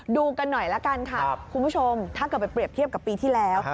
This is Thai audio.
ดูกันหน่อยละกันค่ะคุณผู้ชมถ้าเกิดไปเปรียบเทียบกับปีที่แล้ว